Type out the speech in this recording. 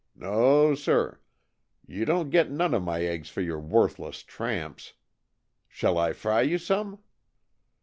No, sir! You don't get none of my eggs for your worthless tramps. Shall I fry you some?"